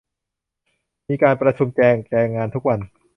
มีการประชุมแจกแจงงานทุกวัน